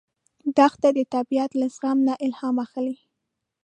دښته د طبیعت له زغم نه الهام اخلي.